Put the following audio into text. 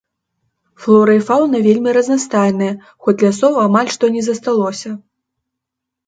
Флора і фаўна вельмі разнастайныя, хоць лясоў амаль што не засталося.